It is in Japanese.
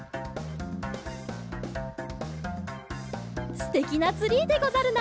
すてきなツリーでござるな！